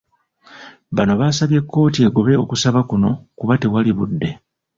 Bano basabye kkooti egobe okusaba kuno kuba tewali budde.